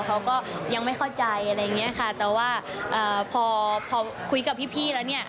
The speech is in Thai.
เขาก็ยังไม่เข้าใจอะไรอย่างเงี้ยค่ะแต่ว่าพอพอคุยกับพี่แล้วเนี่ย